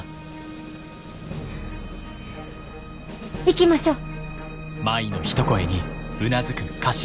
行きましょう。